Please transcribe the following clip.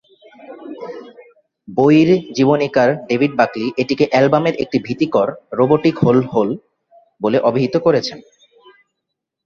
বোয়ি'র জীবনীকার David Buckley এটিকে "অ্যালবামের একটি ভীতিকর, রোবটিক হেলহোল" বলে অভিহিত করেছেন।